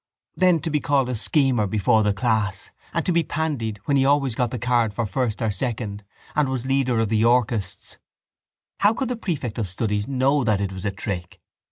Then to be called a schemer before the class and to be pandied when he always got the card for first or second and was the leader of the Yorkists! How could the prefect of studies know that it was a trick?